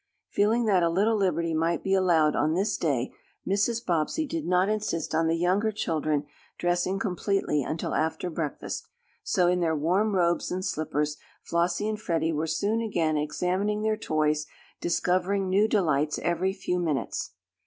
Feeling that a little liberty might be allowed on this day, Mrs. Bobbsey did not insist on the younger children dressing completely until after breakfast, so in their warm robes and slippers Flossie and Freddie were soon again examining their toys, discovering new delights every few minutes.